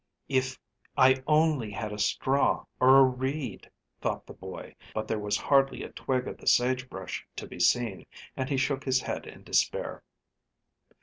"If I only had a straw or a reed!" thought the boy; but there was hardly a twig of the sage brush to be seen, and he shook his head in despair.